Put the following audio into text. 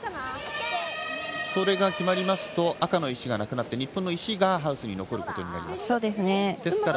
それが決まると赤の石がなくなって日本の石がハウスに残ることになります。